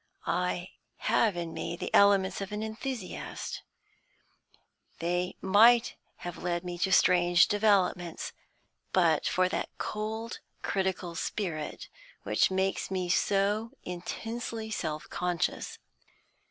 I have in me the elements of an enthusiast; they might have led me to strange developments, but for that cold, critical spirit which makes me so intensely self conscious.